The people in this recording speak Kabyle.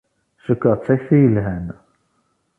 Cukkeɣ d takti yelhan.